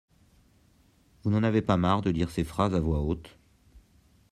Vous n'en avez pas marre de lire ces phrases à voix haute?